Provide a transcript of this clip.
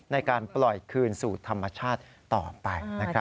ในการปล่อยคืนสู่ธรรมชาติต่อไป